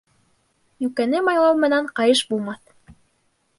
Йүкәне майлау менән ҡайыш булмаҫ.